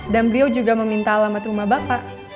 dan beliau juga meminta alamat rumah bapak